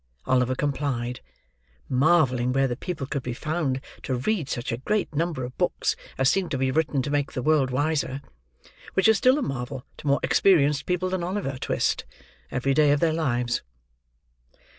Oliver complied; marvelling where the people could be found to read such a great number of books as seemed to be written to make the world wiser. Which is still a marvel to more experienced people than Oliver Twist, every day of their lives.